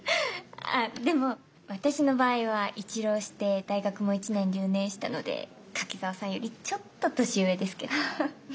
あっでも私の場合は一浪して大学も１年留年したので柿沢さんよりちょっと年上ですけど。